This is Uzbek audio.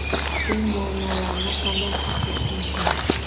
— Bu muammolarni qanday hal qilish mumkin?